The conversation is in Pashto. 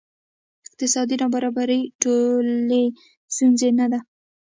اقتصادي نابرابري ټولې ستونزې نه وه.